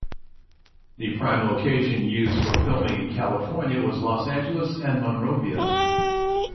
The prime location used for filming in California was Los Angeles and Monrovia.